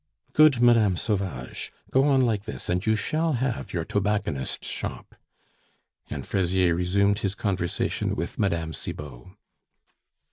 "Good, Mme. Sauvage! Go on like this, and you shall have your tobacconist's shop." And Fraisier resumed his conversation with Mme. Cibot.